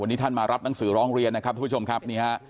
วันนี้ท่านมารับหนังสือร้องเรียนนะครับทุกผู้ชมครับนี่ฮะ